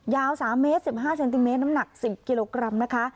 ยาว๓เมตร๑๕เซนติเมตรน้ำหนัก๑๐กิโลกรัมนะคะ